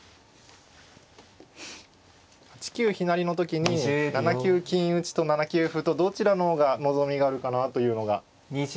８九飛成の時に７九金打と７九歩とどちらの方が望みがあるかなというのが。